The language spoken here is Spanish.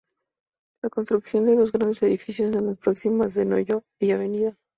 La construcción de dos grandes edificios en las proximidades de Nogoyá y Av.